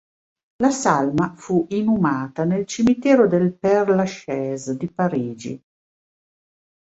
La salma fu inumata nel Cimitero del Père-Lachaise di Parigi.